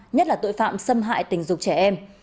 nhất là tội phạm xâm hại tình dục trẻ em